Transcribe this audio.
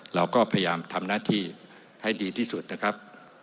เราก็พยายามทำหน้าที่ให้ดีที่สุดนะครับ